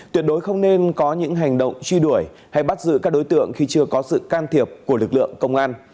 tuyệt đối không nên có những hành động truy đuổi hay bắt giữ các đối tượng khi chưa có sự can thiệp của lực lượng công an